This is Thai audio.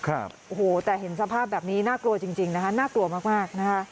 โอ้โหแต่เห็นสภาพแบบนี้น่ากลัวจริงจริงนะคะน่ากลัวมากมากนะคะ